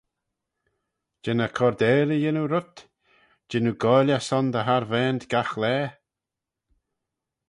Jean eh coardail y yannoo rhyt? jean oo goaill eh son dty harvaant gagh-laa?